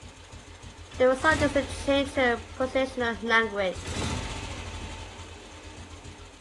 The result is a change to a positional language.